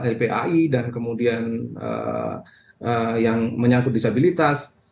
lpai dan kemudian yang menyangkut disabilitas